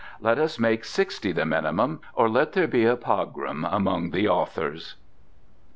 Let us make sixty the minimum—or let there be a pogrom among the authors!